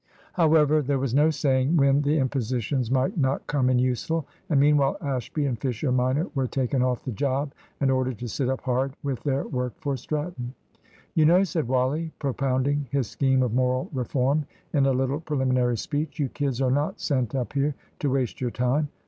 However, there was no saying when the impositions might not come in useful, and meanwhile Ashby and Fisher minor were taken off the job and ordered to sit up hard with their work for Stratton. "You know," said Wally, propounding his scheme of moral reform in a little preliminary speech, "you kids are not sent up here to waste your time.